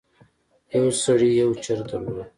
یو سړي یو چرګ درلود.